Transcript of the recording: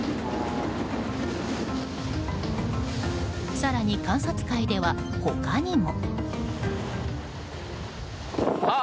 更に、観察会では他にも。